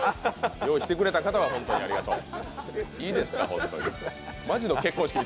用意してくれた方はありがとう。